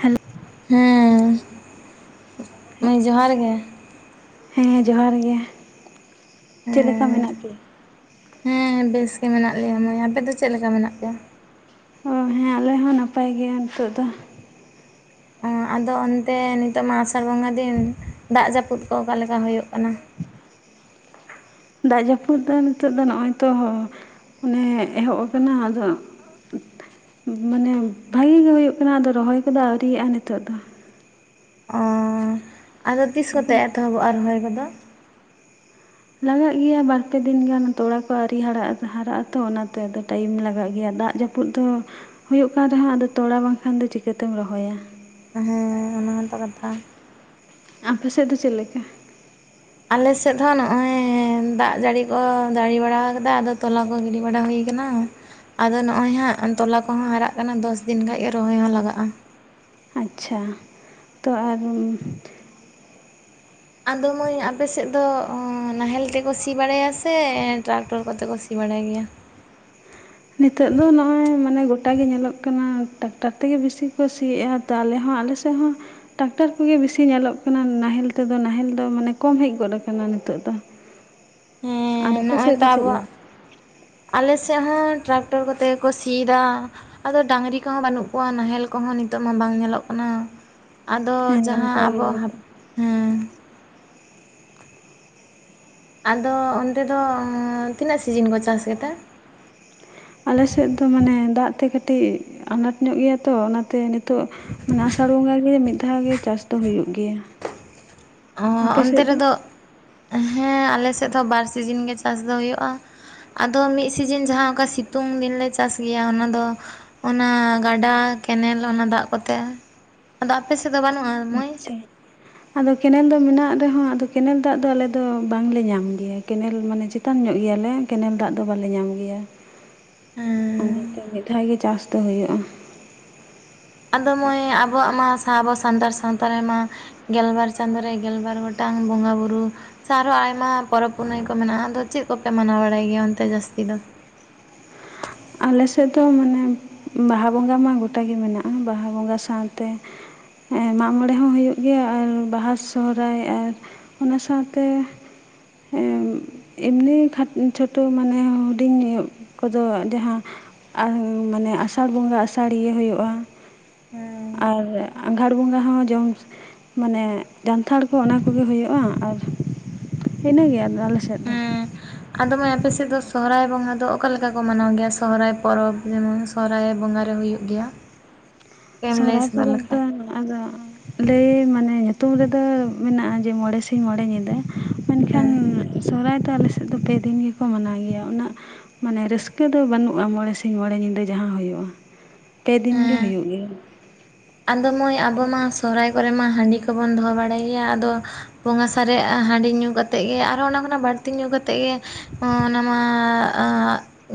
Hello ᱦᱮᱸ ᱢᱟ ᱡᱚᱦᱟᱨ ᱜᱮ᱾ ᱦᱮᱸ ᱡᱚᱦᱟᱨ ᱜᱮ ᱪᱮᱫ ᱞᱮᱠᱟ ᱦᱮᱸ ᱢᱮᱱᱟᱜ ᱯᱮᱭᱟ᱾ ᱦᱮᱸ ᱵᱮᱥ ᱜᱮ ᱢᱮᱱᱟᱜ ᱞᱮᱭᱟ ᱢᱟᱹᱭ, ᱟᱯᱮ ᱫᱚ ᱪᱮᱫ ᱞᱮᱠᱟ ᱢᱮᱱᱟᱜ ᱯᱮᱭᱟ? ᱚ ᱦᱮᱸ ᱟᱞᱮ ᱦᱚᱸ ᱱᱟᱯᱟᱭ ᱜᱮ ᱱᱤᱛᱚᱜ ᱫᱚ᱾ ᱚ ᱟᱫᱚ ᱚᱱᱛᱮ ᱱᱤᱛᱚᱜ ᱢᱟ ᱟᱥᱟᱲ ᱵᱚᱸᱜᱟ ᱫᱤᱱ ᱫᱟᱜ ᱡᱟᱹᱯᱩᱫ ᱠᱚ ᱚᱠᱟ ᱞᱮᱠᱟ ᱦᱩᱭᱩᱜ ᱠᱟᱱᱟ᱾ ᱫᱟᱜ ᱡᱟᱹᱯᱩᱫ ᱫᱚ ᱱᱤᱛᱚᱜ ᱫᱚ ᱱᱚᱜᱼᱚᱭ ᱛᱚ᱾ ᱚᱱᱮ ᱮᱦᱚᱵ ᱟᱠᱟᱱᱟ ᱟᱫᱚ᱾ ᱢᱟᱱᱮ ᱵᱷᱟᱜᱤ ᱜᱮ ᱦᱩᱭᱩᱜ ᱠᱟᱱᱟ ᱟᱫᱚ ᱨᱚᱦᱚᱭ ᱠᱚᱫᱚ ᱟᱹᱣᱨᱤᱭᱟᱜᱼᱟ ᱱᱤᱛᱚᱜ ᱫᱚ᱾ ᱚ ᱟᱫᱚ ᱛᱤᱥ ᱟᱯᱮ ᱠᱚᱛᱮ ᱮᱛᱚᱦᱚᱵᱚᱜᱼᱟ ᱨᱚᱦᱚᱭ ᱠᱚᱫᱚ᱾ ᱞᱟᱜᱟᱜ ᱜᱮᱭᱟ ᱵᱟᱨ ᱯᱮ ᱫᱤᱱ ᱜᱟᱱ ᱛᱚᱲᱟ ᱠᱚ ᱟᱹᱣᱨᱤ ᱦᱟᱨᱟᱜ-ᱟ ᱛᱚ ᱚᱱᱟᱛᱮ ᱟᱫᱚ ᱴᱟᱭᱤᱢ ᱞᱟᱜᱟᱜ ᱜᱮᱭᱟ ᱫᱟᱜ ᱡᱟᱯᱩ ᱡᱟᱹᱯᱩᱫ ᱫᱚ ᱦᱩᱭᱩᱜ ᱠᱟᱱ ᱨᱮᱦᱚᱸ ᱟᱫᱚ ᱛᱚᱲᱟ ᱵᱟᱝᱠᱷᱟᱱ ᱫᱚ ᱪᱤᱠᱟᱹᱛᱮᱢ ᱨᱚᱦᱚᱭᱟ᱾ ᱦᱮᱸ ᱚᱱᱟᱦᱚᱸᱛᱚ ᱠᱟᱛᱷᱟ ᱟᱯᱮ ᱥᱮᱫ ᱫᱚ ᱪᱮᱫ ᱞᱮᱠᱟ᱾ ᱟᱞᱮ ᱥᱮᱫ ᱦᱚᱸ ᱱᱚᱜᱚᱸᱭ ᱫᱟᱜ ᱡᱟᱲᱤ ᱠᱚ ᱡᱟᱲᱤ ᱵᱟᱲᱟ ᱟᱠᱟᱫᱟ ᱟᱫᱚ ᱛᱚᱞᱟ ᱠᱚ ᱜᱤᱰᱤ ᱵᱟᱲᱟ ᱦᱩᱭ ᱠᱟᱱᱟ ᱟᱫᱚ ᱱᱚᱜᱼᱚᱭ ᱦᱟᱸᱜ ᱛᱚᱞᱟ ᱠᱚᱦᱚᱸ ᱦᱟᱨᱟᱜ ᱠᱟᱱᱟ ᱫᱚᱥ ᱫᱤᱱ ᱠᱷᱟᱱ ᱜᱮ ᱨᱚᱦᱚᱭ ᱦᱚᱸ ᱞᱟᱜᱟᱜᱼᱟ᱾ ᱟᱪᱪᱷᱟ ᱛᱚ ᱟᱨ ᱟᱫᱚ ᱢᱟᱹᱭ ᱟᱯᱮ ᱥᱮᱫ ᱫᱚ ᱚᱻ ᱱᱟᱦᱮᱞ ᱛᱮᱠᱚ ᱥᱤ ᱵᱟᱲᱟᱭᱟ ᱥᱮ ᱴᱨᱟᱠᱴᱚᱨ ᱠᱚᱛᱮ ᱠᱚ ᱥᱤ ᱵᱟᱲᱟᱭ ᱜᱮᱭᱟ᱾ ᱱᱤᱛᱚᱜ ᱫᱚ ᱱᱚᱜᱼᱚᱭ ᱢᱟᱱᱮ ᱜᱚᱴᱟ ᱜᱮ ᱧᱮᱞᱚᱜ ᱠᱟᱱᱟ ᱴᱨᱟᱠᱴᱟᱨ ᱛᱮᱜᱮ ᱵᱤᱥᱤ ᱠᱚ ᱥᱤᱭᱮᱫᱼᱟ᱾ ᱛᱚ ᱟᱞᱮ ᱦᱚᱸ ᱟᱞᱮ ᱥᱮᱫ ᱦᱚᱸ ᱴᱟᱠᱴᱟᱨ ᱠᱚᱜᱮ ᱵᱤᱥᱤ ᱧᱮᱞᱚᱜ ᱠᱟᱱᱟ ᱱᱟᱦᱮᱞ ᱛᱮᱫᱚ ᱱᱟᱦᱮᱞ ᱫᱚ ᱢᱟᱱᱮ ᱠᱚᱢ ᱦᱮᱡ ᱜᱚᱫ ᱟᱠᱟᱱᱟ ᱱᱤᱛᱚᱜ ᱫᱚ᱾ [inaudible] ᱟᱨ ᱦᱮᱸ ᱟᱯᱮ ᱱᱚᱜᱼᱚᱭ ᱥᱮᱫ ᱫᱚ ᱛᱚ ᱪᱮᱫ ᱟᱵᱚᱣᱟᱜ᱾ ᱞᱮᱠᱟ ᱟᱞᱮ ᱥᱮᱫ ᱦᱚᱸ ᱴᱨᱟᱠᱴᱚᱨ ᱠᱚᱛᱮᱠᱚ ᱥᱤᱫᱟ ᱟᱫᱚ ᱰᱟᱝᱨᱤ ᱠᱚᱦᱚᱸ ᱵᱟᱹᱱᱩᱜ ᱠᱚᱣᱟ ᱱᱟᱦᱮᱞ ᱠᱚᱦᱚᱸ ᱱᱤᱛᱚᱜ ᱢᱟ ᱵᱟᱝ ᱧᱮᱞᱚᱜ ᱠᱟᱱᱟ᱾ ᱟᱫᱚ ᱦᱮᱸ ᱡᱟᱦᱟᱸ ᱚᱱᱠᱟ ᱜᱮ ᱟᱵᱚ ᱦᱟᱸ ᱜᱚᱴᱟ ᱚᱸ ᱟᱫᱚ ᱚᱱᱛᱮ ᱫᱚ ᱛᱤᱱᱟᱹᱜ ᱥᱤᱡᱤᱱ ᱠᱚ ᱪᱟᱥ ᱜᱮᱛᱮ ᱟᱞᱮ ᱥᱮᱫ ᱫᱚ ᱢᱟᱱᱮ ᱫᱟᱜ ᱛᱮ ᱠᱟᱹᱴᱤᱡ ᱟᱱᱟᱴ ᱧᱚᱜ ᱜᱮᱭᱟ ᱛᱚ ᱚᱱᱟᱛᱮ ᱱᱤᱛᱚᱜ᱾ ᱢᱟᱱᱮ ᱟᱥᱟᱲ ᱵᱚᱸᱜᱟ ᱜᱮ ᱢᱤᱫ ᱫᱷᱟᱣ ᱜᱮ ᱪᱟᱥ ᱫᱚ ᱦᱩᱭᱩᱜ ᱜᱮᱭᱟ ᱚ ᱟᱯᱮ ᱚᱱᱛᱮ ᱥᱮᱫ ᱫᱚ ᱨᱮᱫᱚ ᱦᱮᱸ ᱟᱞᱮ ᱥᱮᱫ ᱦᱚᱸ ᱵᱟᱨ ᱥᱤᱡᱤᱱ ᱜᱮ ᱪᱟᱥ ᱫᱚ ᱦᱩᱭᱩᱜᱼᱟ᱾ ᱟᱫᱚ ᱢᱤᱫ ᱥᱤᱡᱤᱱ ᱡᱟᱦᱟᱸ ᱚᱠᱟ ᱥᱤᱛᱩᱝ ᱫᱤᱱᱞᱮ ᱪᱟᱥ ᱜᱮᱭᱟ ᱚᱱᱟ ᱫᱚ ᱚᱱᱟ ᱜᱟᱰᱟ ᱠᱮᱱᱮᱞ ᱚᱱᱟ ᱫᱟᱜ ᱠᱚᱛᱮ ᱟᱫᱚ ᱟᱯᱮ ᱥᱮᱫ ᱫᱚ ᱵᱟᱹᱱᱩᱜᱼᱟ ᱾ ᱟᱪᱪᱷᱟ ᱟᱫᱚ ᱠᱮᱱᱮᱞ ᱫᱚ ᱢᱮᱱᱟᱜ ᱨᱮᱦᱚᱸ ᱟᱫᱚ ᱠᱮᱱᱮᱞ ᱫᱟᱜ ᱫᱚ ᱟᱞᱮ ᱫᱚ ᱵᱟᱝᱞᱮ ᱧᱟᱢ ᱜᱮᱭᱟ ᱠᱮᱱᱮᱞ ᱢᱟᱱᱮ᱾ ᱪᱛᱟᱱ ᱧᱚᱜ ᱜᱮᱭᱟᱞᱮ ᱠᱮᱱᱮᱞ ᱫᱟᱜ ᱫᱚ ᱵᱟᱞᱮ ᱧᱟᱢ ᱜᱮᱭᱟ᱾ ᱚᱱᱟᱛᱮ ᱦᱮᱸ ᱢᱤᱫ ᱫᱷᱟᱣ ᱜᱮ ᱪᱟᱥ ᱫᱚ ᱦᱩᱭᱩᱜᱼᱟ᱾ ᱟᱫᱚ ᱢᱟᱹᱭ ᱟᱵᱚᱣᱟᱜ ᱢᱟ ᱟᱵᱚ ᱥᱟᱱᱛᱟᱲ ᱥᱟᱶᱛᱟ ᱨᱮᱢᱟ ᱜᱮᱞᱵᱟᱨ ᱪᱟᱸᱫᱳ ᱨᱮ ᱜᱮᱞᱵᱟᱨ ᱜᱚᱴᱟᱝ ᱵᱚᱸᱜᱟ ᱵᱩᱨᱩ᱾ ᱟᱪᱷᱟ ᱟᱨᱦᱚᱸ ᱟᱭᱢᱟ ᱯᱚᱨᱚᱵᱽ ᱯᱩᱱᱟᱹᱭ ᱠᱚ ᱢᱮᱱᱟᱜᱼᱟ ᱟᱫᱚ ᱪᱮᱫ ᱠᱚᱯᱮ ᱢᱟᱱᱟᱣ ᱵᱟᱲᱟᱭ ᱜᱮᱭᱟ? ᱚᱱᱛᱮ ᱡᱟᱹᱥᱛᱤ ᱫᱚ? ᱟᱞᱮ ᱥᱮᱫ ᱫᱚ ᱢᱟᱱᱮ ᱵᱟᱦᱟ ᱵᱚᱸᱜᱟ ᱢᱟ ᱜᱚᱴᱟ ᱜᱮ ᱢᱮᱱᱟᱜᱼᱟ ᱵᱟᱦᱟ ᱵᱚᱸᱜᱟ ᱥᱟᱶᱛᱮ ᱦᱮᱸᱢᱟᱜ ᱢᱚᱬᱮ ᱦᱚᱸ ᱦᱩᱭᱩᱜ ᱜᱮᱭᱟ ᱟᱨ ᱵᱟᱦᱟ ᱥᱚᱦᱨᱟᱭ ᱟᱨ ᱚᱱᱟ ᱥᱟᱶᱛᱮ᱾ ᱦᱮᱸᱮᱢᱱᱤ ᱪᱷᱳᱴᱳ ᱢᱟᱱᱮ ᱦᱩᱰᱤᱧ ᱠᱚᱫᱚ ᱡᱟᱦᱟᱸ ᱢᱟᱱᱮ ᱟᱥᱟᱲ ᱵᱚᱸᱜᱟ ᱟᱥᱟᱲᱤᱭᱟᱹ ᱦᱩᱭᱩᱜᱼᱟ᱾ ᱦᱩᱸ ᱟᱨ ᱟᱜᱷᱟᱲ ᱵᱚᱸᱜᱟ ᱦᱚᱸ ᱡᱚᱢ ᱢᱟᱱᱮ ᱡᱟᱱᱛᱷᱟᱲ ᱠᱚ ᱚᱱᱟ ᱠᱚᱜᱮ ᱦᱩᱭᱩᱜᱼᱟ᱾ ᱟᱨ ᱤᱱᱟᱹᱜᱮ ᱟᱞᱮ ᱥᱮᱫ ᱫᱚ᱾ ᱦᱮᱸ ᱟᱫᱚ ᱢᱟᱹᱭ ᱟᱯᱮ ᱥᱮᱫ ᱫᱚ ᱥᱚᱦᱚᱨᱟᱭ ᱵᱚᱸᱜᱟ ᱫᱚ ᱚᱠᱟ ᱞᱮᱠᱟ ᱠᱚ ᱢᱟᱱᱟᱣ ᱜᱮᱭᱟ ᱥᱚᱦᱨᱟᱭ ᱯᱚᱨᱚᱵᱽ ᱡᱮᱢᱚᱱ᱾ ᱥᱚᱦᱚᱨᱟᱭ ᱵᱚᱸᱜᱟ ᱨᱮ ᱦᱩᱭᱩᱜ ᱜᱮᱭᱟ᱾ ᱠᱟᱹᱡ ᱮᱢ ᱞᱟᱹᱭ ᱥᱚᱦᱚᱨᱟᱭ ᱥᱚᱫᱚᱨ ᱯᱚᱨᱚᱵᱽ ᱫᱚ ᱞᱮᱠᱷᱟᱡ ᱟᱫᱚ ᱞᱟᱹᱭ ᱢᱟᱱᱮ ᱧᱩᱛᱩᱢ ᱨᱮ ᱫᱚ ᱢᱮᱱᱟᱜᱼᱟ ᱡᱮ ᱢᱚᱬᱮ ᱥᱤᱧ ᱢᱚᱬᱮ ᱧᱤᱫᱟᱹ᱾ ᱢᱮᱱᱠᱷᱟᱱ ᱦᱮᱸ ᱥᱚᱦᱚᱨᱟᱭ ᱫᱚ ᱟᱞᱮ ᱥᱮᱫ ᱫᱚ ᱯᱮ ᱫᱤᱱ ᱜᱮᱠᱚ ᱢᱟᱱᱟᱣ ᱜᱮᱭᱟ, ᱩᱱᱟᱹᱜ ᱢᱟᱱᱮ ᱨᱟᱹᱥᱠᱟᱹ ᱫᱚ ᱵᱟᱹᱱᱩᱜᱼᱟ ᱢᱚᱬᱮ ᱥᱤᱧ ᱢᱚᱬᱮ ᱧᱤᱫᱟᱹ ᱡᱟᱦᱟᱸ ᱦᱩᱭᱩᱜᱼᱟ᱾ ᱯᱮ ᱫᱤᱱ ᱜᱮ ᱦᱮᱸ ᱦᱩᱭᱩᱜ ᱜᱮᱭᱟ᱾ ᱟᱫᱚ ᱢᱟᱹᱭ ᱟᱵᱚ ᱢᱟᱸ ᱥᱚᱦᱚᱨᱟᱭ ᱠᱚᱨᱮ ᱢᱟ ᱦᱟᱺᱰᱤ ᱠᱚᱵᱚᱱ ᱫᱚᱦᱚ ᱵᱟᱲᱟᱭ ᱜᱮᱭᱟ, ᱟᱫᱚ ᱵᱚᱸᱜᱟ ᱥᱟᱨᱮ ᱟ ᱦᱟᱺᱰᱤ ᱧᱩ ᱠᱟᱛᱮᱜ ᱜᱮ ᱟᱨᱦᱚᱸ ᱚᱱᱟ ᱠᱷᱚᱱᱟᱜ ᱵᱟᱹᱲᱛᱤ ᱧᱩ ᱠᱟᱛᱮᱜ ᱜᱮ ᱚᱻᱱᱟᱢᱟᱸᱻ ᱟᱺ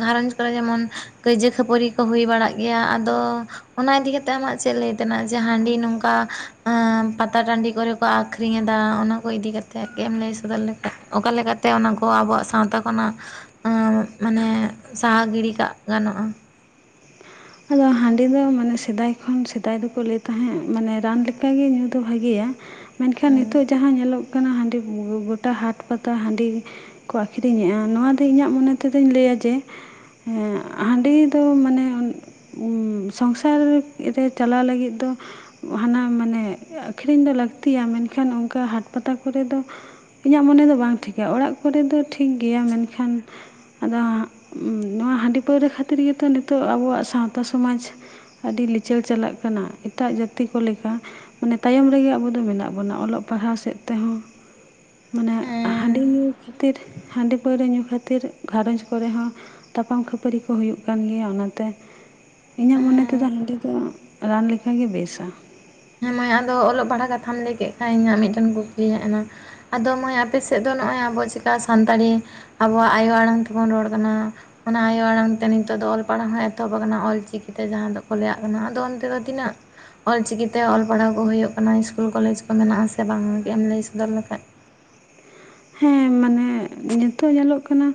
ᱜᱷᱟᱨᱚᱸᱡᱽ ᱠᱚᱨᱮ ᱡᱮᱢᱚᱱ ᱠᱟᱹᱭᱡᱟᱹ ᱠᱷᱟᱹᱯᱟᱹᱨᱤ ᱠᱚ ᱦᱩᱭ ᱵᱟᱲᱟᱜ ᱜᱮᱭᱟ ᱟᱫᱚ ᱚᱱᱟ ᱤᱫᱤ ᱠᱟᱛᱮᱜ ᱟᱢᱟᱜ ᱪᱮᱫ ᱞᱟᱹᱭ? ᱛᱮᱱᱟᱜ ᱡᱟ ᱦᱟᱺᱰᱤ ᱱᱚᱝᱠᱟ ᱟᱸ ᱯᱟᱛᱟ ᱴᱟᱺᱰᱤ ᱠᱚᱨᱮ ᱠᱚ ᱟᱠᱷᱨᱤᱧ ᱮᱫᱟ ᱚᱱᱟ ᱠᱚ ᱤᱫᱤ ᱠᱟ ᱛᱮ ᱜᱮᱢ ᱞᱟᱹᱭ ᱥᱚᱫᱚᱨ ᱞᱮᱠᱷᱟᱡ, ᱚᱠᱟ ᱞᱮᱠᱟ ᱛᱮ ᱚᱱᱟ ᱠᱚ ᱟᱵᱚᱣᱟᱜ ᱥᱟᱶᱛᱟ ᱠᱷᱚᱱᱟᱜ ᱟᱸ ᱢᱟᱱᱮ ᱥᱟᱦᱟ ᱜᱤᱲᱤ ᱠᱟᱜ ᱜᱟᱱᱚᱜᱼᱟ᱾ ᱱᱚᱣᱟ ᱦᱟᱺᱰᱤ ᱫᱚ ᱢᱟᱱᱮ ᱥᱮᱫᱟᱭ ᱠᱷᱚᱱ ᱥᱮᱫᱟᱭ ᱫᱚᱠᱚ ᱞᱟᱹᱭ ᱛᱟᱦᱮᱸᱜ ᱢᱟᱱᱮ ᱨᱟᱱ ᱞᱮᱠᱟ ᱜᱮ ᱧᱩᱸ ᱫᱚ ᱵᱷᱟᱜᱮᱭᱟ᱾ ᱢᱮᱱ ᱠᱷᱟᱱ ᱱᱤᱛᱚᱜ ᱦᱮᱸ ᱡᱟᱦᱟᱸ ᱧᱮᱞᱚᱜ ᱠᱟᱱᱟ ᱦᱟᱺᱰᱤ ᱜᱚ-ᱜᱚ-ᱜᱚᱴᱟ ᱦᱟᱴ ᱯᱟᱛᱟ ᱦᱟᱺᱰᱤ᱾ ᱠᱚ ᱟᱠᱷᱨᱤᱧᱮᱫᱼᱟ ᱱᱚᱶᱟ ᱫᱚ ᱤᱧᱟᱹᱜ ᱢᱚᱱᱮ ᱛᱮᱫᱚᱧ ᱞᱟᱹᱭᱟ ᱡᱮ ᱦᱮᱸ ᱦᱟᱺᱰᱤ ᱫᱚ ᱢᱟᱱᱮ ᱩᱸ ᱥᱚᱝᱥᱟᱨ ᱨᱮ ᱪᱟᱞᱟᱣ ᱞᱟᱹᱜᱤᱫ ᱫᱚ ᱦᱟᱱᱟ ᱢᱟᱱᱮ ᱟᱹᱠᱷᱨᱤᱧ ᱫᱚ ᱞᱟᱹᱠᱛᱤᱭᱟ ᱢᱮᱱ ᱠᱷᱟᱱ ᱚᱱᱠᱟ ᱦᱟᱴ ᱯᱟᱛᱟ ᱠᱚᱨᱮ ᱫᱚ ᱤᱧᱟᱹᱜ ᱢᱚᱱᱮ ᱫᱚ ᱵᱟᱝ ᱴᱷᱤᱠᱟ, ᱚᱲᱟᱜ ᱠᱚᱨᱮ ᱫᱚ ᱴᱷᱤᱠ ᱜᱮᱭᱟ ᱢᱮᱱᱠᱷᱟᱱ ᱟᱫᱚ ᱩᱸ ᱱᱚᱣᱟ ᱦᱟᱺᱰᱤ ᱯᱟᱹᱣᱨᱟᱹ ᱠᱷᱟᱹᱛᱤᱨ ᱜᱮᱛᱚ ᱱᱤᱛᱚᱜ ᱟᱵᱚᱣᱟᱜ ᱥᱟᱶᱛᱟ ᱥᱚᱢᱟᱡᱽ ᱟᱹᱰᱤ ᱞᱤᱪᱟᱹᱲ ᱪᱟᱞᱟᱜ ᱠᱟᱱᱟ, ᱮᱴᱟᱜ ᱡᱟᱹᱛᱤ ᱠᱚ ᱞᱮᱠᱟ᱾ ᱢᱟᱱᱮ ᱛᱟᱭᱚᱢ ᱨᱮᱜᱮ ᱟᱵᱚ ᱫᱚ ᱢᱮᱱᱟᱜ ᱵᱚᱱᱟ, ᱚᱞᱚᱜ ᱯᱟᱲᱦᱟᱣ ᱥᱮᱫ ᱛᱮᱦᱚᱸ᱾ ᱢᱟᱱᱮ ᱦᱟᱺᱰᱤ ᱦᱮᱸ ᱧᱩᱸ ᱠᱷᱟᱹᱛᱤᱨ ᱦᱟᱺᱰᱤᱼᱯᱟᱹᱣᱨᱟᱹ ᱧᱩᱸ ᱠᱷᱟᱹᱛᱤᱨ ᱜᱷᱟᱨᱚᱸᱡᱽ ᱠᱚᱨᱮ ᱦᱚᱸ ᱛᱟᱯᱟᱢ ᱠᱷᱟᱹᱯᱟᱹᱨᱤ ᱠᱩ ᱦᱩᱭᱩᱜ ᱠᱟᱱ ᱜᱮᱭᱟ ᱚᱱᱟ ᱛᱮ᱾ ᱤᱧᱟᱹᱜ ᱢᱚᱱᱮ ᱛᱮᱫᱚ ᱦᱟᱺᱰᱤ ᱫᱚ ᱨᱟᱱ ᱞᱮ ᱞᱮᱠᱟ ᱜᱮ ᱵᱮᱥᱟ᱾ ᱦᱮᱸ ᱢᱟᱹᱭ ᱟᱢ ᱫᱚ ᱚᱞᱚᱜ ᱯᱟᱲᱦᱟᱜ ᱠᱟᱛᱷᱟᱢ ᱞᱟᱹᱭ ᱠᱮᱜ ᱠᱷᱟᱡ ᱤᱧᱟᱹᱜ ᱢᱤᱫ ᱴᱮᱱ ᱠᱩᱠᱞᱤ ᱦᱮᱡ ᱮᱱᱟ᱾ ᱟᱫᱚ ‌ᱢᱟᱹᱭ ᱟᱯᱮ ᱥᱮᱫ ᱫᱚ ᱱᱚᱜᱼᱚᱭ ᱟᱵᱚ ᱪᱤᱠᱟ ᱥᱟᱱᱛᱟᱲᱤ ᱟᱵᱚᱣᱟᱜ ᱟᱭᱳ ᱟᱲᱟᱝ ᱛᱮᱵᱚᱱ ᱨᱚᱲ ᱠᱟᱱᱟ᱾ ᱚᱱᱟ ᱟᱭᱳ ᱟᱲᱟᱝ ᱛᱮ ᱱᱤᱛᱚᱜ ᱫᱚ ᱚᱞ ᱯᱟᱲᱦᱟ ᱮᱛᱚᱦᱚᱵ ᱟᱠᱟᱱᱟ ᱚᱞ ᱪᱤᱠᱤ ᱛᱮ ᱡᱟᱦᱟᱸ ᱫᱚ ᱠᱚ ᱞᱮᱭᱟᱜ ᱠᱟᱱᱟ ᱟᱫᱚ ᱚᱱᱛᱮ ᱫᱚ ᱛᱤᱱᱟᱹᱜ ᱚᱞ ᱪᱤᱠᱤ ᱛᱮ ᱚᱞ ᱯᱟᱲᱦᱟᱣ ᱠᱚ ᱦᱩᱭᱩᱜ ᱠᱟᱱᱟ ᱤᱥᱠᱩᱞ ᱠᱚᱞᱮᱡᱽ ᱠᱚ ᱢᱮᱱᱟᱜ ᱟᱥᱮ ᱵᱟᱝ ᱮᱢ ᱞᱟᱹᱭ ᱥᱚᱫᱚᱨ ᱞᱮᱠᱷᱟᱡ᱾ ᱦᱮᱸ ᱢᱟᱱᱮ ᱱᱤᱛᱚᱜ ᱧᱮᱞᱚᱜ ᱠᱟᱱᱟ᱾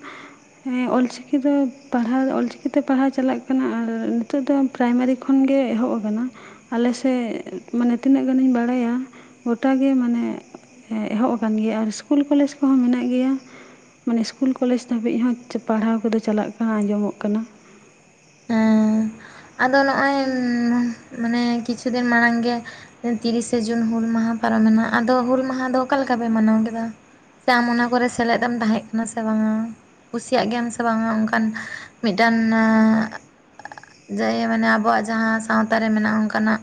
ᱦᱮᱸ ᱚᱞ ᱪᱤᱠᱤ ᱫᱚ ᱯᱟᱲᱦᱟᱣ ᱚᱞ ᱪᱤᱠᱤ ᱛᱮ ᱯᱟᱲᱦᱟᱣ ᱪᱟᱞᱟᱜ ᱠᱟᱱᱟ, ᱟᱨ ᱱᱤᱛᱚᱜ ᱫᱚ ᱯᱨᱟᱭᱢᱟᱨᱤ ᱠᱷᱚᱱ ᱜᱮ ᱮᱦᱚᱵ ᱟᱠᱟᱱᱟ᱾ ᱟᱞᱮ ᱥᱮᱜ ᱢᱟᱱᱮ ᱛᱤᱱᱟᱹᱜ ᱜᱟᱱᱤᱧ ᱵᱟᱲᱟᱭᱟ ᱜᱚᱴᱟ ᱜᱮ ᱢᱟᱱᱮ ᱦᱮᱸ ᱮᱦᱚᱵ ᱟᱠᱟᱱ ᱜᱮᱭᱟ ᱟᱨ ᱤᱥᱠᱩᱞ ᱠᱚᱞᱮᱡᱽ ᱠᱚᱸᱦᱚᱸ ᱢᱮᱱᱟᱜ ᱜᱮᱭᱟ ᱢᱟᱱᱮ ᱤᱥᱠᱩᱞ ᱠᱚᱞᱮᱡᱽ ᱫᱷᱟᱹᱵᱤᱡ ᱦᱚᱸ ᱪᱷᱩ ᱯᱟᱲᱦᱟᱣ ᱠᱚᱫᱚ ᱪᱟᱞᱟᱜ ᱠᱟᱱᱟ ᱟᱸᱡᱚᱢᱚᱜ ᱠᱟᱱᱟ᱾ ᱮᱸ ᱟᱫᱚ ᱱᱚᱜᱼᱚᱭ ᱢᱟᱱᱮ ᱠᱤᱪᱷᱩ ᱫᱤᱱ ᱢᱟᱲᱟᱝ ᱜᱮ, ᱛᱤᱨᱤ ᱥᱮ ᱡᱩᱱ ᱦᱩᱞ ᱢᱟᱦᱟᱸ ᱯᱟᱨᱚᱢᱮᱱᱟ ᱟᱫᱚ ᱦᱩᱞ ᱢᱟᱦᱟᱸ ᱫᱚ ᱚᱠᱟ ᱞᱮᱠᱟ ᱯᱮ ᱢᱟᱱᱟᱣ ᱠᱮᱫᱟ? ᱥᱮ ᱟᱢ ᱚᱱᱟ ᱠᱚᱨᱮ ᱥᱮᱞᱮᱫ ᱮᱢ ᱛᱟᱦᱮᱸ ᱠᱟᱱᱟ ᱥᱮ ᱵᱟᱝᱟ ᱠᱩᱥᱤᱭᱟᱜ ᱜᱮᱭᱟᱢ ᱥᱮ ᱵᱟᱝᱟ ᱚᱱᱠᱟᱱ ᱢᱤᱫᱴᱟᱝ ᱡᱟᱜᱮ ᱢᱟᱱᱮ ᱟᱵᱚᱣᱟᱜ ᱡᱟᱦᱟᱸ ᱥᱟᱶᱛᱟ ᱨᱮ ᱢᱮᱱᱟᱜᱼᱟ ᱚᱱᱠᱟᱱᱟᱜ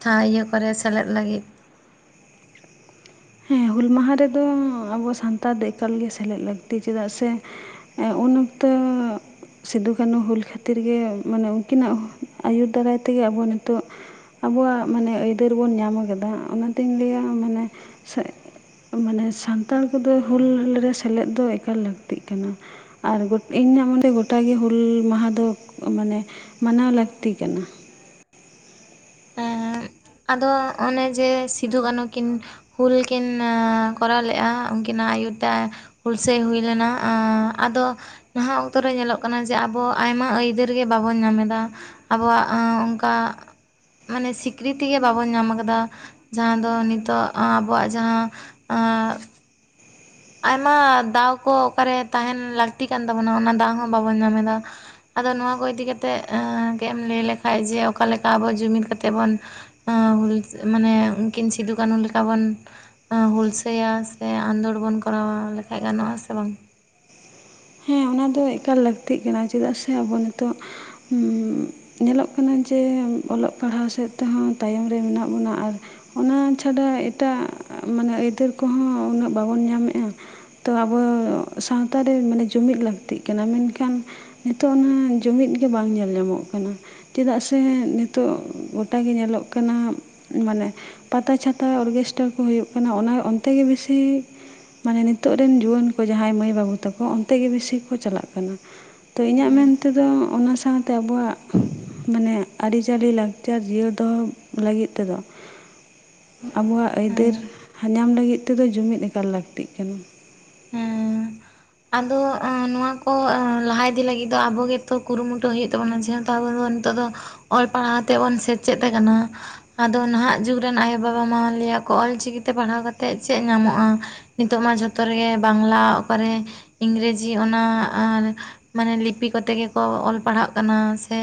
ᱴᱷᱟᱣ ᱤᱭᱟᱹ ᱠᱚᱨᱮ ᱥᱮᱞᱮᱫ ᱞᱟᱹᱜᱤᱫ ᱦᱮᱸ, ᱦᱩᱞ ᱢᱟᱦᱟᱸ ᱨᱮᱫᱚ ᱟᱵᱚ ᱥᱟᱱᱛᱟᱲ ᱫᱚ ᱮᱠᱟᱞ ᱜᱮ ᱥᱮᱞᱮᱫ ᱞᱟᱹᱠᱛᱤ, ᱪᱮᱫᱟᱜ ᱥᱮ ᱦᱮᱸ ᱩᱱ ᱚᱠᱛᱚ ᱥᱤᱫᱩ ᱠᱟᱹᱱᱦᱩ ᱦᱩᱞ ᱠᱷᱟᱹᱛᱤᱨ ᱜᱮ, ᱢᱟᱱᱮ ᱩᱱᱠᱤᱱᱟᱜ ᱟᱹᱭᱩᱨ ᱫᱟᱨᱟᱭ ᱛᱮ ᱜᱮ ᱟᱵᱚ ᱱᱤᱛᱚᱜ ᱟᱵᱚᱣᱟᱜ ᱢᱟᱱᱮ ᱟᱹᱭᱫᱟᱹᱨ ᱵᱚᱱ ᱧᱟᱢ ᱟᱠᱟᱫᱟ, ᱚᱱᱟᱛᱤᱧ ᱞᱟᱹᱭᱟ ᱢᱟᱱᱮ ᱥᱮᱡᱽ ᱢᱟᱱᱮ ᱥᱟᱱᱛᱟᱲ ᱠᱚᱫᱚ ᱦᱩᱞ ᱨᱮ ᱥᱮᱞᱮᱫ ᱫᱚ ᱮᱠᱟᱞ ᱞᱟᱹᱠᱛᱤᱜ ᱠᱟᱱᱟ ᱟᱨ ᱡᱚ-ᱤᱧᱟᱜ [unintelligible] ᱜᱚᱴᱟ ᱜᱮ ᱦᱩᱞᱻ ᱢᱟᱦᱟᱸ ᱫᱚ ᱢᱟᱱᱮ ᱢᱟᱱᱟᱣ ᱞᱟᱹᱠᱛᱤ ᱠᱟᱱᱟ᱾ ᱮᱸ ᱟᱫᱚ ᱚᱱᱮ ᱡᱮ ᱥᱤᱫᱩ ᱠᱟᱹᱱᱦᱩ ᱠᱤᱱ, ᱦᱩᱞ ᱠᱤᱱ ᱚᱻ ᱠᱚᱨᱟᱣ ᱞᱮᱜᱼᱟ, ᱩᱱᱠᱤᱱᱟᱜ ᱟᱭᱩᱨ ᱛᱮ ᱟ ᱦᱩᱞᱥᱟᱹᱭ ᱦᱩᱭ ᱞᱮᱱᱟ ᱟᱫᱚ ᱱᱟᱦᱟᱜ ᱚᱠᱛᱚ ᱨᱮ ᱧᱮᱞᱚᱜ ᱠᱟᱱᱟ ᱡᱮ ᱟᱵᱚ ᱟᱭᱢᱟ ᱟᱹᱭᱫᱟᱹᱨ ᱜᱮ ᱵᱟᱵᱚᱱ ᱧᱟᱢ ᱮᱫᱟ ᱟᱵᱚᱣᱟᱜ ᱚᱱᱠᱟ ᱢᱟᱱᱮ ᱥᱤ ᱠᱨᱤᱛᱤ ᱜᱮ ᱵᱟᱵᱚᱱ ᱧᱟᱢ ᱟᱠᱟᱫᱟ ᱡᱟᱦᱟᱸ ᱫᱚ ᱱᱤᱛᱚᱜ ᱟᱵᱚᱣᱟᱜ ᱡᱟᱦᱟᱸ ᱟᱭᱢᱟ ᱫᱟᱣ ᱠᱚ ᱚᱠᱟᱨᱮ ᱛᱟᱦᱮᱱ ᱞᱟᱹᱠᱛᱤ ᱠᱟᱱ ᱛᱟᱵᱚᱱᱟ ᱚᱱᱟ ᱫᱟᱣ ᱦᱚᱸ ᱵᱟᱵᱚᱱ ᱧᱟᱢ ᱮᱫᱟ ᱟᱫᱚ ᱱᱚᱣᱟ ᱠᱚ ᱤᱫᱤ ᱠᱟᱛᱮ ᱜᱮᱢ ᱞᱟᱹᱭ ᱞᱮᱠᱷᱷᱟᱡ ᱡᱮ ᱚᱠᱟ ᱞᱮᱠᱟ ᱟᱵᱚ ᱡᱩᱢᱤᱫ ᱠᱟᱛᱮᱜ ᱵᱚᱱ ᱦᱩᱞ ᱢᱟᱱᱮ ᱩᱱᱠᱤᱱ ᱥᱤᱫᱩᱼ ᱠᱟᱹᱱᱩ ᱞᱮᱠᱟ ᱵᱚᱱ, ᱦᱩᱞᱥᱟᱹᱭᱟ ᱥᱮ ᱟᱸᱫᱳᱲ ᱵᱚᱱ ᱠᱚᱨᱟᱣᱟ ᱞᱮᱠᱷᱷᱟᱡ ᱜᱟᱱᱚᱜ ᱟᱥᱮ ᱵᱟᱝ ᱦᱮᱸ ᱚᱱᱟ ᱫᱚ ᱮᱠᱟᱞ ᱞᱟᱹᱠᱛᱤᱜ ᱠᱟᱱᱟ ᱪᱮᱫᱟᱜ ᱥᱮ ᱟᱵᱚ ᱱᱤᱛᱚᱜ ᱧᱮᱞᱚᱜ ᱠᱟᱱᱟ ᱡᱮ ᱚᱞᱚᱜ ᱯᱟᱲᱦᱟᱣ ᱥᱮᱫ ᱛᱮᱦᱚᱸ ᱛᱟᱭᱚᱢ ᱨᱮ ᱢᱮᱱᱟᱜ ᱵᱚᱱᱟ ᱟᱨ ᱚᱱᱟ ᱪᱷᱟᱰᱟ ᱮᱴᱟᱜ ᱢᱟᱱᱮ ᱟᱹᱭᱫᱟᱹᱨ ᱠᱚᱦᱚᱸ ᱩᱱᱟᱹᱜ ᱵᱟᱵᱚᱱ ᱧᱟᱢ ᱮᱼᱟ ᱛᱚ ᱟᱵᱚ ᱥᱟᱶᱛᱟᱨᱮ ᱢᱟᱱᱮ ᱡᱩᱢᱤᱫ ᱞᱟᱹᱠᱛᱤ ᱞᱟᱹᱠᱛᱤᱜ ᱠᱟᱱᱟ ᱢᱮᱱᱠᱷᱟᱱ ᱱᱤᱛᱚᱜ ᱚᱱᱟ ᱡᱩᱢᱤᱫ ᱜᱮ ᱵᱟᱝ ᱧᱮᱞ ᱧᱟᱢᱚᱜ ᱠᱟᱱᱟ ᱪᱮᱫᱟᱜ ᱥᱮ ᱱᱤᱛᱚᱜ ᱜᱚᱴᱟᱜᱮ ᱧᱮᱞᱚᱜ ᱠᱟᱱᱟ ᱢᱟᱱᱮ ᱯᱟᱛᱟ ᱪᱷᱟᱛᱟ ᱚᱨᱜᱮᱥᱴᱟᱨ ᱠᱚ ᱦᱩᱭᱩᱜ ᱠᱟᱱᱟ ᱚᱱᱟ ᱚᱱᱛᱮ ᱜᱮ ᱵᱮᱥᱤ ᱢᱟᱱᱮ ᱱᱤᱛᱚᱜ ᱨᱮᱱ ᱡᱩᱣᱟᱹᱱ ᱠᱚ ᱡᱟᱦᱟᱸᱭ ᱢᱟᱹᱭ ᱵᱟᱹᱵᱩ ᱛᱟᱠᱚ ᱚᱱᱛᱮ ᱜᱮ ᱵᱤᱥᱤ ᱠᱚ ᱪᱟᱞᱟᱜ ᱠᱟᱱᱟ ᱛᱚ ᱤᱧᱟᱹᱜ ᱢᱮᱱ ᱦᱮᱸ ᱛᱮᱫᱚ ᱚᱱᱟ ᱥᱟᱶᱛᱮ ᱟᱵᱚᱣᱟᱜ ᱢᱟᱱᱮ ᱟᱹᱨᱤᱪᱟᱹᱞᱤ ᱞᱟᱠᱪᱟᱨ ᱡᱤᱭᱟᱹᱲ ᱫᱚᱦᱚ ᱞᱟᱹᱜᱤᱫ ᱛᱮᱫᱚ ᱟᱵᱚᱣᱟᱜ ᱦᱮᱸ ᱟᱹᱭᱫᱟᱹᱨ ᱧ ᱧᱟᱢ ᱞᱟᱹᱜᱤᱫ ᱛᱮᱫᱚ ᱡᱩᱢᱤᱫ ᱮᱠᱟᱞ ᱞᱟᱹᱠᱛᱤᱜ ᱠᱟᱱᱟ ᱦᱮᱸ ᱟᱫᱚ ᱱᱚᱣᱟ ᱠᱚ ᱞᱟᱦᱟ ᱤᱫᱤ ᱞᱟᱹᱜᱤᱫ ᱫᱚ ᱟᱵᱚᱜᱮᱛᱚ ᱠᱩᱨᱩᱢᱩᱴᱩ ᱦᱩᱭᱩᱜ ᱛᱟᱵᱚᱱᱟ ᱡᱮᱦᱮᱛᱩ ᱟᱵᱚ ᱱᱤᱛᱚᱜ ᱫᱚ ᱚᱞ ᱯᱟᱲᱦᱟᱣ ᱛᱮ ᱵᱚᱱ ᱥᱮᱪᱮᱫ ᱟᱠᱟᱱᱟ ᱟᱫᱚ ᱱᱟᱦᱟᱜ ᱡᱩᱜᱽ ᱨᱮᱱ ᱟᱭᱳᱼᱵᱟᱵᱟ ᱢᱟ ᱞᱟᱹᱭᱟ ᱠᱚ ᱚᱞᱪᱤᱠᱤᱛᱮ ᱯᱟᱲᱦᱟᱣ ᱠᱟᱛᱮᱫ ᱪᱮᱫ ᱧᱟᱢᱚᱜᱼᱟ ᱱᱤᱛᱚᱜ ᱢᱟ ᱡᱷᱚᱛᱚ ᱨᱮᱜᱮ ᱵᱟᱝᱞᱟ ᱚᱠᱟᱨᱮ ᱤᱝᱨᱮᱡᱤ ᱚᱱᱟ ᱢᱟᱱᱮ ᱞᱤᱯᱤ ᱠᱚᱛᱮ ᱜᱮᱠᱚ ᱚᱞ ᱯᱟᱲᱦᱟᱜ ᱠᱟᱱᱟ ᱥᱮ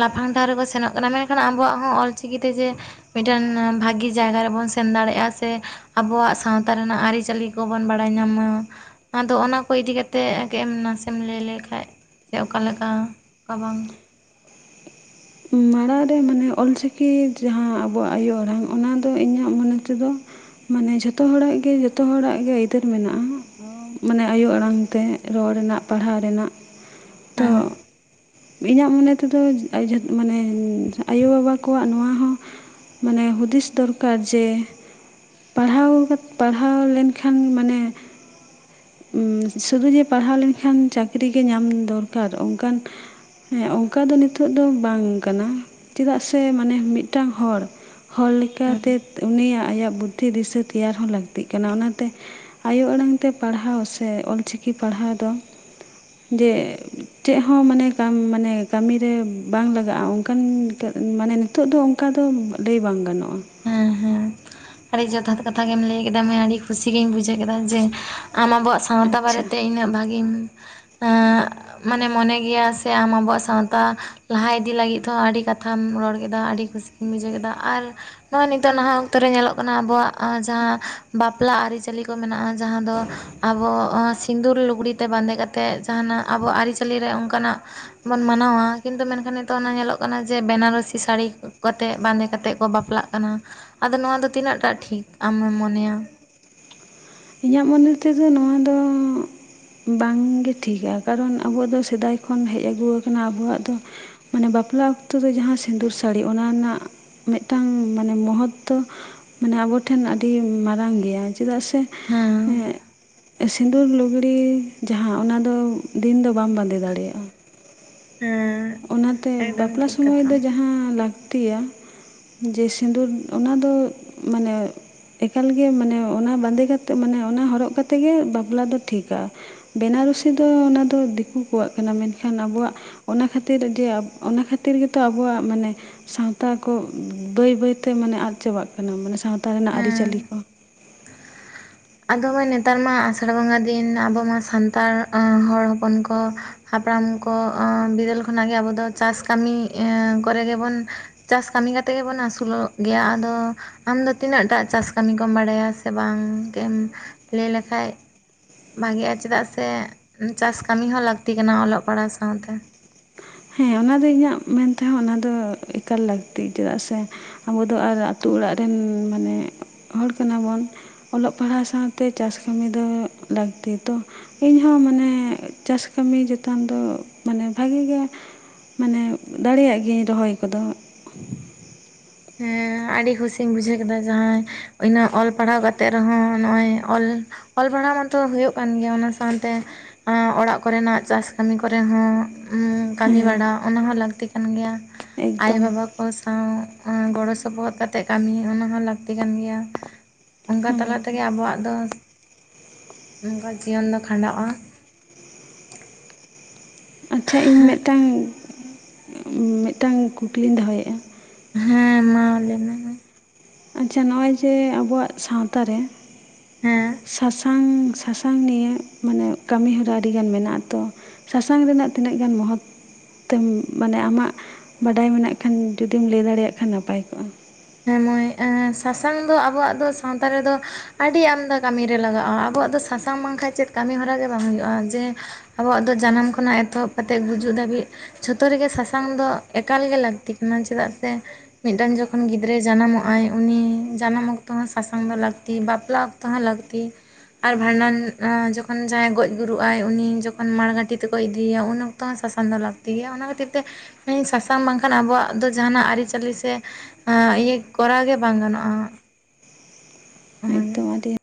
ᱞᱟᱯᱷᱟᱝ ᱰᱟᱦᱟᱨ ᱨᱮᱠᱚ ᱥᱮᱱᱚᱜ ᱠᱟᱱᱟ, ᱢᱮᱱᱠᱷᱟᱱ ᱟᱵᱚᱣᱟᱜ ᱦᱚᱸ ᱚᱞᱪᱤᱠᱤ ᱛᱮ ᱡᱮ ᱢᱤᱫᱴᱮᱱ ᱵᱷᱟᱜᱤ ᱡᱟᱭᱜᱟ ᱨᱮᱵᱚᱱ ᱥᱮᱱ ᱫᱟᱲᱮᱭᱟᱜᱼᱟ ᱥᱮ ᱟᱵᱚᱣᱟᱜ ᱥᱟᱶᱛᱟ ᱨᱮᱱᱟᱜ ᱟᱹᱨᱤ ᱪᱟᱹᱞᱤ ᱠᱚᱵᱚᱱ ᱵᱟᱲᱟᱭ ᱧᱟᱢᱟ ᱟᱫᱚ ᱚᱱᱟ ᱠᱚ ᱤᱫᱤ ᱠᱟᱛᱮ ᱮᱢ ᱱᱟᱥᱮᱢ ᱞᱟᱹᱭ ᱞᱮᱠᱷᱟᱡ ᱥᱮ ᱚᱠᱟᱞᱮᱠᱟ ᱚᱠᱟ ᱵᱟᱝ ᱢᱟᱲᱟᱝ ᱨᱮ ᱢᱟᱱᱮ ᱚᱞᱪᱤᱠᱤ ᱡᱟᱦᱟᱸ ᱟᱵᱚᱣᱟᱜ ᱟᱭᱳ ᱟᱲᱟᱝ ᱚᱱᱟ ᱫᱚ ᱤᱧᱟᱹᱜ ᱢᱚᱱᱮ ᱛᱮᱫᱚ ᱢᱟᱱᱮ ᱡᱷᱚᱛᱚ ᱦᱚᱲᱟᱜ ᱜᱮ ᱡᱷᱚᱛᱚ ᱦᱚᱲᱟᱜ ᱜᱮ ᱟᱹᱭᱫᱟᱹᱨ ᱢᱮᱱᱟᱜᱼᱟ ᱢᱟᱱᱮ ᱟᱭᱳ ᱟᱲᱟᱝ ᱛᱮ ᱨᱚᱲ ᱨᱮᱱᱟᱜ ᱯᱟᱲᱦᱟᱜ ᱨᱮᱱᱟᱜ ᱛᱚ ᱦᱮᱸ ᱤᱧᱟᱹᱜ ᱢᱚᱱᱮ ᱛᱮᱫᱚ ᱡᱚ ᱢᱟᱱᱮ ᱟᱭᱳᱵᱟᱵᱟ ᱠᱚᱣᱟᱜ ᱱᱚᱣᱟ ᱦᱚᱸ ᱢᱟᱱᱮ ᱦᱩᱫᱤᱥ ᱫᱚᱨᱠᱟᱨ ᱡᱮ ᱯᱟᱲᱦᱟᱣ ᱠᱟᱛᱮ ᱯᱟᱲᱦᱟᱣ ᱞᱮᱱᱠᱷᱟᱱ ᱢᱟᱱᱮ ᱥᱩᱫᱩ ᱡᱮ ᱯᱟᱲᱦᱟᱣ ᱞᱮᱱᱠᱷᱟᱱ ᱪᱟᱹᱠᱨᱤ ᱜᱮ ᱧᱟᱢ ᱫᱚᱨᱠᱟᱨ ᱚᱱᱠᱟᱱ ᱦᱮᱸ ᱚᱱᱠᱟ ᱫᱚ ᱱᱤᱛᱚᱜ ᱫᱚ ᱵᱟᱝ ᱠᱟᱱᱟ ᱪᱮᱫᱟᱜ ᱥᱮ ᱢᱟᱱᱮ ᱢᱤᱫᱴᱟᱝ ᱦᱚᱲ ᱦᱚᱲ ᱦᱮᱸ ᱞᱮᱠᱟᱛᱮ ᱩᱱᱤᱭᱟᱜ ᱟᱭᱟᱜ ᱵᱩᱫᱽᱫᱷᱤ ᱫᱤᱥᱟᱹ ᱛᱮᱭᱟᱨ ᱦᱚᱸ ᱞᱟᱹᱠᱛᱤᱜ ᱠᱟᱱᱟ ᱚᱱᱟᱛᱮ ᱟᱭᱳ ᱟᱲᱟᱝ ᱛᱮ ᱯᱟᱲᱦᱟᱣ ᱥᱮ ᱚᱞᱪᱤᱠᱤ ᱯᱟᱲᱦᱟᱣ ᱫᱚ ᱡᱮ ᱪᱮᱫ ᱦᱚᱸ ᱢᱟᱱᱮ ᱠᱟᱢ ᱢᱟᱱᱮ ᱠᱟᱢᱮ ᱨᱮ ᱵᱟᱝ ᱞᱟᱜᱟᱜᱼᱟ ᱚᱱᱠᱟᱱ ᱢᱟᱱᱮ ᱱᱤᱛᱚᱜ ᱫᱚ ᱚᱱᱠᱟ ᱫᱚ ᱞᱟᱹᱭ ᱵᱟᱝ ᱜᱟᱱᱚᱜᱼᱟ ᱦᱮᱸ ᱦᱮᱸ ᱟᱹᱰᱤ ᱡᱚᱛᱷᱟᱛ ᱠᱟᱛᱷᱟ ᱜᱮᱢ ᱞᱟᱹᱭ ᱠᱮᱫᱟᱢ ᱢᱟᱹᱭ ᱟᱹᱰᱤ ᱠᱩᱥᱤᱜ ᱜᱮᱧ ᱵᱩᱡᱷᱟᱹᱣ ᱠᱮᱫᱟ ᱡᱮ ᱟᱢ ᱟᱵᱚᱣᱟᱜ ᱥᱟᱶᱛᱟ ᱟᱪᱪᱷᱟ ᱵᱟᱨᱮᱛᱮ ᱤᱱᱟᱹᱜ ᱵᱷᱟᱜᱤᱧ ᱢᱟᱱᱮ ᱢᱚᱱᱮ ᱜᱮᱭᱟ ᱥᱮ ᱟᱢ ᱟᱵᱚᱣᱟᱜ ᱥᱟᱶᱛᱟ ᱞᱟᱦᱟ ᱤᱫᱤ ᱞᱟᱹᱜᱤᱫ ᱦᱚᱸ ᱟᱹᱰᱤ ᱠᱟᱛᱷᱟᱢ ᱨᱚᱲ ᱠᱮᱫᱟ ᱟᱹᱰᱤ ᱠᱩᱥᱤ ᱤᱧ ᱵᱩᱡᱷᱟᱹᱣ ᱠᱮᱫᱟ ᱟᱨ ᱱᱚᱜᱼᱚᱸᱚᱭ ᱱᱤᱛᱚᱜ ᱱᱟᱦᱟᱜ ᱚᱠᱛᱚ ᱨᱮ ᱧᱮᱞᱚᱜ ᱠᱟᱱᱟ ᱟᱵᱚᱣᱟᱜ ᱡᱟᱦᱟᱸ ᱵᱟᱯᱞᱟ ᱟᱹᱨᱤᱪᱟᱹᱞᱤ ᱠᱚ ᱢᱮᱱᱟᱜᱼᱟ ᱡᱟᱦᱟᱸ ᱫᱚ ᱟᱵᱚ ᱥᱤᱸᱫᱩᱨ ᱞᱩᱜᱽᱲᱤᱛᱮ ᱵᱟᱸᱫᱮ ᱠᱟᱛᱮᱜ ᱡᱟᱦᱟᱱᱟᱜ ᱟᱵᱚ ᱟᱹᱨᱤᱪᱟᱹᱞᱤ ᱨᱮ ᱚᱱᱠᱟᱱᱟᱜ, ᱵᱚᱱ ᱢᱟᱱᱟᱣᱟ ᱠᱤᱱᱛᱩ ᱢᱮᱱᱠᱷᱟᱱ ᱱᱤᱛᱚᱜ ᱚᱱᱟ ᱧᱮᱞᱚᱜ ᱠᱟᱱᱟ ᱡᱮ ᱵᱮᱱᱟᱨᱚᱥᱤ ᱥᱟᱹᱲᱤ ᱠᱟᱛᱮᱫ ᱵᱟᱸᱫᱮ ᱠᱟᱛᱮᱫ ᱠᱚ ᱵᱟᱯᱞᱟᱜ ᱠᱟᱱᱟ᱾ ᱟᱫᱚ ᱱᱚᱣᱟ ᱫᱚ ᱛᱤᱱᱟᱹᱜ ᱴᱟᱜ ᱴᱷᱤᱠ ᱟᱢᱮᱢ ᱢᱚᱱᱮᱭᱟ ᱤᱧᱟᱹᱜ ᱢᱚᱱᱮ ᱛᱮᱫᱚ ᱱᱚᱣᱟ ᱫᱚ ᱵᱟᱝᱜᱮ ᱴᱷᱤᱠᱟ ᱠᱟᱨᱚᱱ ᱟᱵᱚ ᱫᱚ ᱥᱮᱫᱟᱭ ᱠᱷᱚᱱ ᱦᱮᱡ ᱟᱹᱜᱩ ᱟᱠᱟᱱᱟ ᱟᱵᱚᱣᱟᱜ ᱫᱚ, ᱢᱟᱱᱮ ᱵᱟᱯᱞᱟ ᱚᱠᱛᱚ ᱫᱚ ᱡᱟᱦᱟᱸ ᱥᱤᱸᱫᱩᱨ ᱥᱟᱹᱲᱤ ᱚᱱᱟ ᱨᱮᱱᱟᱜ ᱢᱤᱫᱴᱟᱝ ᱢᱟᱱᱮ ᱢᱚᱦᱚᱛᱛᱚ ᱢᱟᱱᱮ ᱟᱵᱚᱴᱷᱮᱱ ᱟᱹᱰᱤ ᱢᱟᱨᱟᱝ ᱜᱮᱭᱟ ᱪᱮᱫᱟᱜ ᱥᱮ ᱦᱮᱸ ᱮᱸᱜ ᱥᱤᱸᱫᱩᱨ ᱞᱩᱜᱽᱲᱤ ᱡᱟᱦᱟᱸ ᱚᱱᱟ ᱫᱚ ᱫᱤᱱ ᱫᱚ ᱵᱟᱢ ᱵᱟᱸᱫᱮ ᱫᱟᱲᱮᱭᱟᱜ-ᱟ᱾ ᱦᱮᱸ ᱚᱱᱟᱛᱮ ᱮᱠᱫᱚᱢ ᱵᱟᱯᱞᱟ ᱴᱷᱤᱠ ᱥᱚᱢᱚᱭ ᱠᱟᱛᱷᱟ ᱫᱚ ᱡᱟᱦᱟᱸ ᱞᱟᱠᱛᱤᱭᱟ ᱡᱮ ᱥᱤᱸᱫᱩᱨ ᱚᱱᱟᱫᱚ ᱢᱟᱱᱮ ᱮᱠᱟᱞᱜᱮ ᱢᱟᱱᱮ ᱚᱱᱟ ᱵᱟᱸᱫᱮ ᱠᱟᱛᱮ ᱢᱟᱱᱮ ᱚᱱᱟ ᱦᱚᱨᱚᱜ ᱠᱟᱛᱮᱜ ᱜᱮ ᱵᱟᱯᱞᱟ ᱫᱚ ᱴᱷᱤᱠᱟ ᱵᱮᱱᱟ ᱨᱩᱥᱤ ᱫᱚ ᱚᱱᱟ ᱫᱚ ᱫᱤᱠᱩ ᱠᱚᱣᱟᱜ ᱠᱟᱱᱟ, ᱢᱮᱱᱠᱷᱟᱱ ᱟᱵᱚᱣᱟᱜ ᱚᱱᱟ ᱠᱷᱟᱹᱛᱤᱨ [unintelligible] ᱠᱷᱟᱹᱛᱤᱨ ᱡᱮ ᱚᱱᱟ ᱠᱷᱟᱹᱛᱤᱨ ᱜᱮᱛᱚ ᱟᱵᱚᱣᱟᱜ ᱢᱟᱱᱮ ᱥᱟᱶᱛᱟ ᱠᱚ ᱵᱟᱹᱭ ᱵᱟᱹᱭᱛᱮ ᱢᱟᱱᱮ ᱟᱫ ᱪᱟᱵᱟᱜ ᱠᱟᱱᱟ ᱢᱟᱱᱮ ᱥᱟᱶᱛᱟ ᱨᱮᱱᱟᱜ ᱟᱹᱨᱤᱪᱟᱹᱞᱤ ᱦᱮᱸ ᱠᱚ ᱟᱫᱚᱵᱟᱭ ᱱᱮᱛᱟᱨ ᱢᱟ ᱟᱥᱟᱲ ᱵᱚᱸᱜᱟ ᱫᱤᱱ ᱟᱵᱚ ᱢᱟ ᱥᱟᱱᱛᱟᱲ ᱦᱚᱲ ᱦᱚᱯᱚᱱ ᱠᱚ ᱦᱟᱯᱲᱟᱢ ᱠᱚ ᱵᱤᱫᱟᱹᱞ ᱠᱷᱚᱱᱟᱜ ᱜᱮ ᱟᱵᱚ ᱫᱚ ᱪᱟᱥ ᱠᱟᱹᱢᱤ ᱠᱚᱨᱮ ᱜᱮᱵᱚᱱ ᱪᱟᱥ ᱠᱟᱹᱢᱤ ᱠᱟᱛᱮᱫ ᱜᱮᱵᱚᱱ ᱟᱹᱥᱩᱞᱚᱜ ᱜᱮᱭᱟ ᱟᱫᱚ ᱟᱢᱫᱚ ᱛᱤᱱᱟᱹᱜ ᱴᱟᱜ ᱪᱟᱥ ᱠᱟᱹᱢᱤ ᱠᱚᱢ ᱵᱟᱲᱟᱭᱟ ᱥᱮ ᱵᱟᱝ ᱮᱢ ᱞᱟᱹᱭ ᱞᱮᱠᱷᱟᱡ ᱵᱷᱟᱜᱤᱼᱟ ᱪᱮᱫᱟᱜ ᱥᱮ ᱪᱟᱥ ᱠᱟᱢᱤ ᱦᱚᱸ ᱞᱟᱠᱛᱤ ᱠᱟᱱᱟ ᱚᱞᱚᱜ ᱯᱟᱲᱦᱟᱣ ᱥᱟᱶᱛᱮ ᱦᱮᱸ ᱚᱱᱟ ᱫᱚ ᱤᱧᱟᱹᱜ ᱢᱮᱱ ᱛᱮᱦᱚᱸ ᱚᱱᱟ ᱫᱚ ᱮᱠᱟᱞ ᱞᱟᱹᱠᱛᱤ ᱪᱮᱫᱟᱜ ᱥᱮ ᱟᱵᱚ ᱫᱚ ᱟᱨ ᱟᱹᱛᱩ ᱚᱲᱟᱜ ᱨᱮᱱ ᱢᱟᱱᱮ ᱦᱚᱲ ᱠᱟᱱᱟᱵᱚᱱ ᱚᱞᱚᱜ ᱯᱟᱲᱦᱟᱣ ᱥᱟᱶᱛᱮ ᱪᱟᱥ ᱠᱟᱹᱢᱤ ᱫᱚ ᱞᱟᱹᱠᱛᱤ ᱛᱚ ᱤᱧᱦᱚᱸ ᱢᱟᱱᱮ ᱪᱟᱥ ᱠᱟᱹᱢᱤ ᱪᱮᱛᱟᱱ ᱫᱚ ᱢᱟᱱᱮ ᱵᱷᱟᱜᱤ ᱜᱮᱭᱟ, ᱢᱟᱱᱮ ᱫᱟᱲᱤᱭᱟᱜ ᱜᱤᱭᱟᱹᱧ ᱨᱚᱦᱚᱭ ᱠᱚᱫᱚ ᱦᱮᱸ ᱟᱹᱰᱤ ᱦᱩᱥᱤᱧ ᱵᱩᱡᱷᱟᱹᱣ ᱠᱮᱫᱟ ᱡᱟᱦᱟᱸᱭ ᱤᱱᱟᱹ ᱚᱞ ᱯᱟᱲᱦᱟᱣ ᱠᱟᱛᱮᱜ ᱨᱮᱦᱚᱸ ᱱᱚᱜᱼᱚᱭ ᱚᱞ ᱚᱞ ᱯᱟᱲᱦᱟᱣ ᱢᱟᱛᱚ ᱦᱩᱭᱩᱜ ᱠᱟᱱ ᱜᱮᱭᱟ ᱚᱱᱟ ᱥᱟᱶᱛᱮ ᱚᱲᱟᱜ ᱠᱚᱨᱮᱱᱟᱜ ᱪᱟᱥ ᱠᱟᱹᱢᱤ ᱠᱚᱨᱮ ᱦᱚᱸ ᱩᱸ ᱠᱟᱹᱢᱤ ᱦᱮᱸ ᱵᱟᱲᱟ ᱚᱱᱟ ᱦᱚᱸ ᱞᱟᱹᱠᱛᱤ ᱠᱟᱱ ᱜᱮᱭᱟ ᱟᱭᱳ ᱮᱠᱫᱚᱢ ᱵᱟᱵᱟ ᱠᱚ ᱥᱟᱶ ᱜᱚᱲᱚ ᱥᱚᱯᱚᱦᱚᱫ ᱠᱟᱛᱮᱜ ᱠᱟᱢᱤ ᱚᱱᱟ ᱦᱚᱸ ᱞᱟᱠᱛᱤ ᱠᱟᱱ ᱜᱮᱭᱟ᱾ ᱚᱱᱠᱟ ᱦᱮᱸ ᱛᱟᱞᱟ ᱛᱮᱜᱮ ᱟᱵᱚᱣᱟᱜ ᱫᱚ ᱚᱱᱠᱟ ᱡᱤᱭᱚᱱ ᱫᱚ ᱠᱷᱟᱸᱰᱟᱣᱼᱟ ᱟᱪᱪᱷᱟ ᱤᱧ ᱢᱤᱫᱴᱟᱝ ᱢᱤᱫᱴᱟᱝ ᱠᱩᱠᱞᱤᱧ ᱫᱚᱦᱚᱭᱮᱜ-ᱟ, ᱦᱮᱸ ᱢᱟ ᱞᱟᱹᱭ ᱢᱮ ᱟᱪᱪᱷᱟ ᱱᱚᱜ-ᱚᱭ ᱡᱮ ᱟᱵᱩᱣᱟᱜ ᱥᱟᱶᱛᱟ ᱨᱮ ᱦᱮᱸ ᱥᱟᱥᱟᱝ ᱥᱟᱥᱟᱝ ᱱᱤᱭᱮ ᱢᱟᱱᱮ ᱠᱟᱹᱢᱤ ᱦᱚᱨᱟ ᱟᱹᱰᱤ ᱜᱟᱱ ᱢᱮᱱᱟᱜᱼᱟ ᱛᱚ ᱥᱟᱥᱟᱝ ᱨᱮᱱᱟᱜ ᱛᱤᱱᱟᱹᱜ ᱜᱟᱱ ᱢᱚᱦᱚᱛ ᱛᱮᱢ ᱢᱟᱱᱮ ᱟᱢᱟᱜ ᱵᱟᱰᱟᱭ ᱢᱮᱱᱟᱜ ᱠᱷᱟᱱ ᱡᱩᱫᱤᱢ ᱞᱟᱹᱭ ᱫᱟᱲᱮᱭᱟᱜ ᱠᱷᱟᱱ ᱱᱟᱯᱟᱭ ᱠᱚᱜ-ᱟ? ᱦᱮᱸ ᱢᱟᱹᱭ ᱥᱟᱥᱟᱝ ᱫᱚ ᱟᱵᱚᱣᱟᱜ ᱫᱚ ᱥᱟᱶᱛᱟ ᱨᱮᱫᱚ ᱟᱹᱰᱤ ᱟᱢᱫᱟ ᱠᱟᱹᱢᱤ ᱨᱮ ᱞᱟᱜᱟᱜᱼᱟ ᱟᱵᱚᱣᱟᱜ ᱫᱚ ᱥᱟᱥᱟᱝ ᱥᱟᱝ ᱵᱟᱝᱠᱷᱟ ᱪᱮᱫ ᱠᱟᱹᱢᱤ ᱦᱚᱨᱟ ᱜᱮ ᱵᱟᱝ ᱦᱩᱭᱩᱜᱼᱟ ᱡᱮ ᱟᱵᱚᱣᱟᱜ ᱫᱚ ᱡᱟᱱᱟᱢ ᱠᱷᱚᱱᱟᱜ ᱮᱛᱚᱦᱚᱵ ᱠᱟᱛᱮᱫ ᱜᱩᱡᱩᱜ ᱫᱷᱟᱹᱵᱤᱡ ᱡᱷᱚᱛᱚ ᱨᱮᱜᱮ ᱥᱟᱥᱟᱝ ᱫᱚ ᱮᱠᱟᱞᱜᱮ ᱞᱟᱹᱠᱛᱤ ᱠᱟᱱᱟ, ᱪᱮᱫᱟᱜ ᱥᱮ ᱢᱤᱫᱴᱟᱱ ᱡᱚᱠᱷᱚᱱ ᱜᱤᱫᱽ ᱜᱤᱫᱽᱨᱟᱹ ᱡᱟᱱᱟᱢᱚᱜ ᱟᱭ ᱩᱱᱤ ᱡᱟᱱᱟᱢ ᱚᱠᱛᱚ ᱦᱚᱸ ᱥᱟᱥᱟᱝ ᱫᱚ ᱞᱟᱹᱠᱛᱤ ᱵᱟᱯᱞᱟ ᱚᱠᱛᱚ ᱦᱚᱸ ᱞᱟᱹᱠᱛᱤ ᱟᱨ ᱵᱷᱟᱸᱰᱟᱱ ᱡᱚᱠᱷᱚᱱ ᱡᱟᱦᱟᱸᱭ ᱜᱚᱡ ᱜᱩᱨᱩᱜᱼᱟᱭ ᱩᱱᱤ ᱡᱚᱠᱷᱚᱱ ᱢᱟᱲᱜᱷᱟᱹᱴᱤ ᱛᱮᱠᱚ ᱤᱫᱤᱭᱟ ᱩᱱ ᱛᱟᱶ ᱥᱟᱥᱟᱝ ᱫᱚ ᱞᱟᱹᱠᱛᱤ ᱜᱮᱭᱟ᱾ ᱚᱱᱟ ᱠᱷᱟᱹᱛᱤᱨ ᱛᱮ ᱥᱟᱥᱟᱝ ᱵᱟᱝᱠᱷᱟᱱ ᱟᱵᱚᱣᱟᱜ ᱫᱚ ᱡᱟᱦᱟᱱᱟᱜ ᱟᱹᱨᱤᱪᱟᱹᱞᱤ ᱥᱮ ᱟᱸ ᱤᱭᱟᱹ ᱠᱚᱨᱟᱣ ᱜᱮ ᱵᱟᱝ ᱜᱟᱱᱚᱜᱼᱟ᱾ ᱚᱱᱟᱜᱮ ᱮᱠᱫᱚᱢ ᱟᱹᱰᱤ